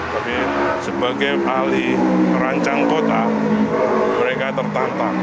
tapi sebagai ahli rancang kota mereka tertantang